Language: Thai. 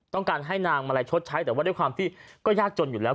ต้องการให้นางมาลัยชดใช้แต่ว่าด้วยความที่ก็ยากจนอยู่แล้ว